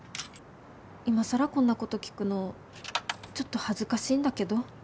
今更こんなこと聞くのちょっと恥ずかしいんだけど。